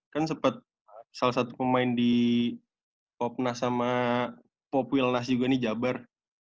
kan sempat salah satu pemain di popnas sama populnas juga nih jabar